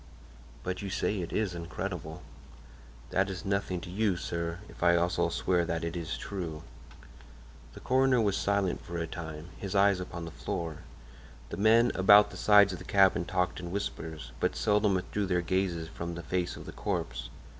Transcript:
"But you say it is incredible." "That is nothing to you, sir, if I also swear that it is true." The coroner was silent for a time, his eyes upon the floor. The men about the sides of the cabin talked in whispers, but seldom withdrew their gaze from the face of the corpse.